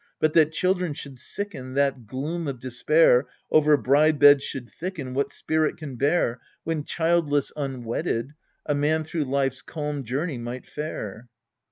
But that children should sicken, That gloom of despair Over bride beds should thicken, What spirit can bear, When childless, unwedded, a man through life's calm journey might fare?